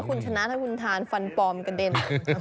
คุณชนะถ้าคุณทานฟันปลอมกระเด็น